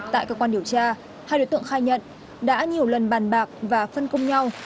tại cơ quan điều tra hai đối tượng khai nhận đã nhiều lần bàn bạc và phân công nhau